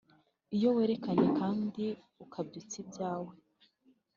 iyo werekanye kandi ukabyutsa ibyawe